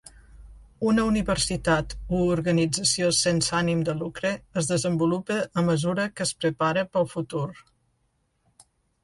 Una universitat o organització sense ànim de lucre es desenvolupa a mesura que es prepara per al futur.